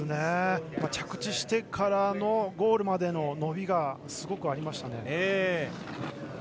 着地してからのゴールまでの伸びがすごく、ありましたね。